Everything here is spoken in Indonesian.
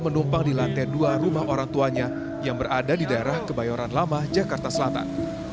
menumpang di lantai dua rumah orang tuanya yang berada di daerah kebayoran lama jakarta selatan